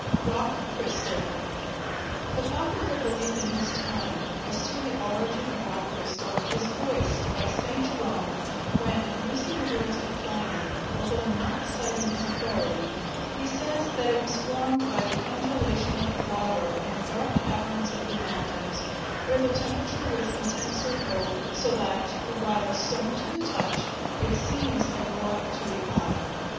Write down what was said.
Rock crystal The popular belief in his time as to the origin of rock crystal is voiced by St. Jerome, when, using the words of Pliny, although not citing his authority, he says that it was formed by the congelation of water in dark caverns of the mountains, where the temperature was intensely cold, so that, "While a stone to the touch, it seems like water to the eye."